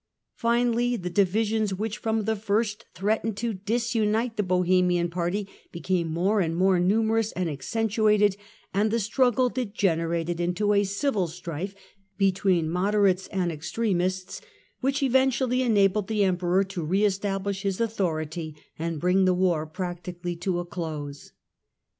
Finally the divisions which from the first threatened to disunite the Bohemian party became more and more numerous and accentuated, and the struggle degenerated into a civil strife between moderates and extremists which eventually enabled the Emperor to re estabhsh his au thority and bring the war practically to a close.